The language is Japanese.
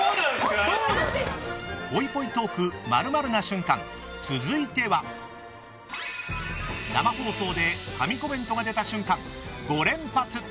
ぽいぽいトーク○○な瞬間続いては生放送で神コメントが出た瞬間５連発！